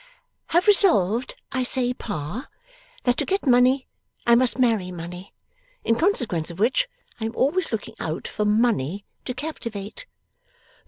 'Have resolved, I say, Pa, that to get money I must marry money. In consequence of which, I am always looking out for money to captivate.